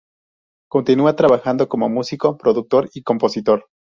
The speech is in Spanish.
Continúa trabajando como músico, productor y compositor.